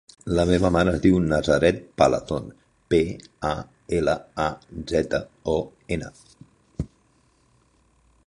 La meva mare es diu Nazaret Palazon: pe, a, ela, a, zeta, o, ena.